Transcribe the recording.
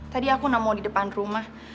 tadi aku namu di depan rumah